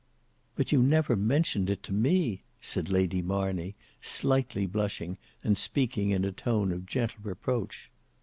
"But you never mentioned it to me," said Lady Marney, slightly blushing and speaking in a tone of gentle reproach.